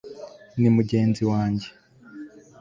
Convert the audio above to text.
ni mugenzi wanjye